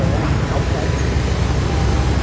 hôm nay nó bật đèn phù hiệu